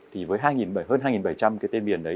thì với hơn hai bảy trăm linh cái tên miền đấy